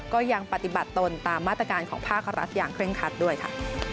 ก็ยังปฏิบัติตนตามมาตรการของภาครัฐอย่างเคร่งคัดด้วยค่ะ